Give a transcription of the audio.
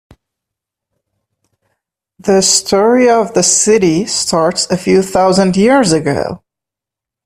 The story of the city starts a few thousand years ago.